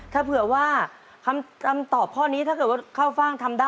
ถ้าเผื่อว่าคำตอบข้อนี้ถ้าเกิดว่าเข้าฟ่างทำได้